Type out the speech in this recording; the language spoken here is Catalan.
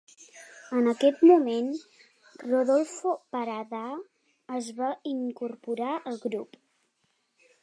En aquest moment, Rodolfo Parada es va incorporar al grup.